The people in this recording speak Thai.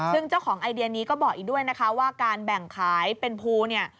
ซึ่งเจ้าของไอเดียนี้ก็บอกอีกด้วยนะคะว่าการแบ่งขายเป็นภูเนี่ย